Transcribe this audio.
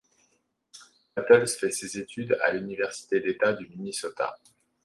Battles fait ses études à l'université d'État du Minnesota.